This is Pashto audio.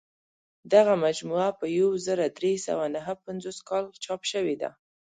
دغه مجموعه په یو زر درې سوه نهه پنځوس کال چاپ شوې ده.